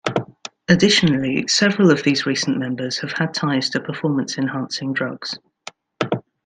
Additionally, several of these recent members have had ties to performance-enhancing drugs.